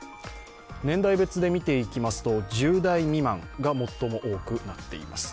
年代別で見ていきますと１０代未満が最も多くなっています。